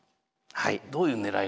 はい。